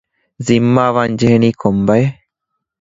ޒިންމާވާން ޖެހެނީ ކޮން ބައެއް؟